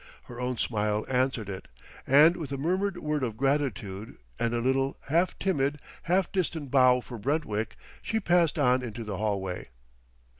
Her own smile answered it, and with a murmured word of gratitude and a little, half timid, half distant bow for Brentwick, she passed on into the hallway.